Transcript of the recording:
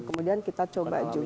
kemudian kita coba juga